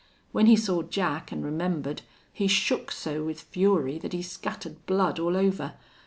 When he saw Jack an' remembered he shook so with fury that he scattered blood all over.